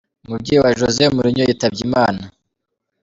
Umubyeyi wa Jose Mourinho yitabye Imana.